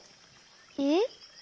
えっ？